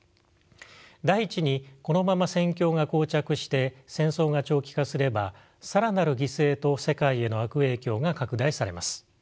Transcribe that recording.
第１にこのまま戦況が膠着して戦争が長期化すれば更なる犠牲と世界への悪影響が拡大されます。